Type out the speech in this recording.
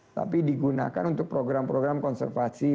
tapi digunakan untuk program program konservasi